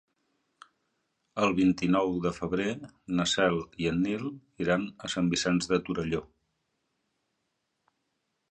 El vint-i-nou de febrer na Cel i en Nil iran a Sant Vicenç de Torelló.